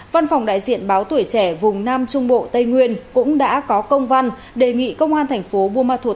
văn phòng đại diện báo tuổi trẻ vùng nam trung bộ tây nguyên cũng đã có công văn đề nghị công an thành phố buôn ma thuột